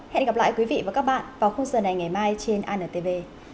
hẹn gặp lại quý vị và các bạn vào khuôn giờ này ngày mai trên anntv